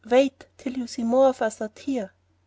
"Wait till you see more of us out here."